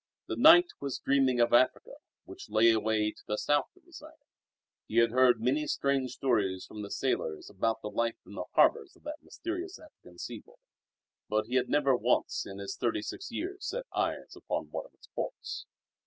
The knight was dreaming of Africa which lay away to the south of his island. He had heard many strange stories from the sailors about the life in the harbours of that mysterious African seaboard; but he had never once in his thirty six years set eyes upon one of its ports.